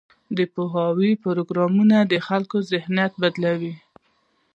د پوهاوي پروګرامونه د خلکو ذهنیت بدلوي.